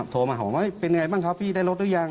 โทรมาหาว่าเป็นยังไงบ้างครับพี่ได้รถหรือยัง